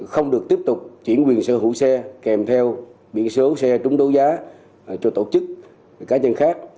không được tiếp tục chuyển quyền sở hữu xe kèm theo biển số xe trúng đấu giá cho tổ chức cá nhân khác